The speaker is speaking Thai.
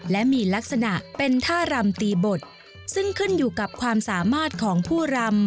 และมีลักษณะเป็นท่ารำตีบทซึ่งขึ้นอยู่กับความสามารถของผู้รำ